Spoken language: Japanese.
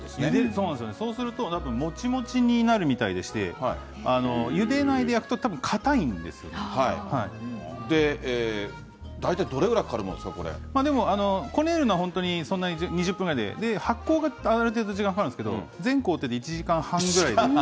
そうなんですよね、そうするともちもちになるみたいでして、ゆでないで焼くとたぶん、で、大体どれぐらいかかるもこねるのは本当に、そんなに、２０分くらいで、発酵がある程度、時間かかるんですけど、全工程で１時間半ぐらい１時間半？